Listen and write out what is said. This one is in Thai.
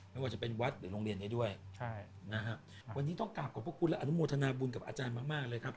ไม่ว่าจะเป็นวัดหรือโรงเรียนนี้ด้วยวันนี้ต้องกราบขอบคุณครับอนุโมทนาบูลกับอาจารย์มากเลยครับ